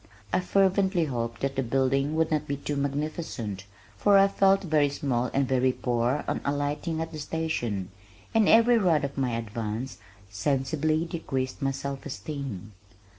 I fervently hoped that the building would not be too magnificent for I felt very small and very poor on alighting at the station, and every rod of my advance sensibly decreased my self esteem.